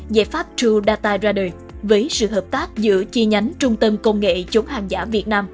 giải pháp true data ra đời với sự hợp tác giữa chi nhánh trung tâm công nghệ chống hàng giả việt nam